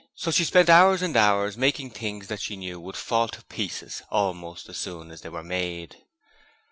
So she spent hours and hours making things that she knew would fall to pieces almost as soon as they were made.